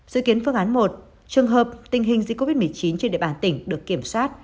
dự kiến phương án một trường hợp tình hình dịch covid một mươi chín trên địa bàn tỉnh được kiểm soát